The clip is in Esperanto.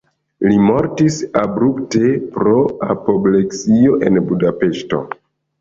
Li mortis abrupte pro apopleksio en Budapeŝto.